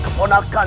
tidak tuan odaikan